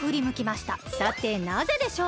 さてなぜでしょう？